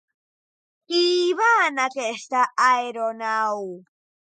Qui hi va en aquesta aeronau?